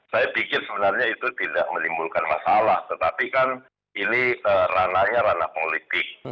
saya pikir sebenarnya itu tidak menimbulkan masalah tetapi kan ini ranahnya ranah politik